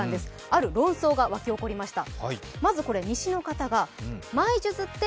ある論争が巻き起こりました。